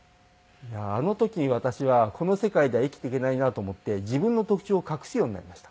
あの時私はこの世界では生きていけないなと思って自分の特徴を隠すようになりました。